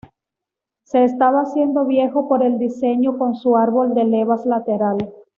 Se estaba haciendo viejo por el diseño con su árbol de levas lateral.